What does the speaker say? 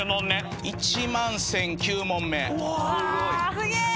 すげえ！